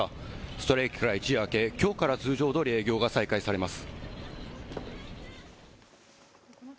ストライキから一夜明けきょうから通常どおり営業が再開されます。